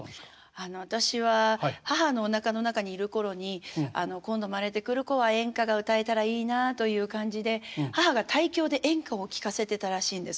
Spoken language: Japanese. あの私は母のおなかの中にいる頃に今度生まれてくる子は演歌が歌えたらいいなあという感じで母が胎教で演歌を聞かせてたらしいんです。